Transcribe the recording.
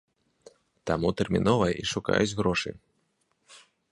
Таму тэрмінова і шукаюць грошы.